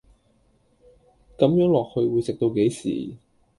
咁樣落去會食到幾時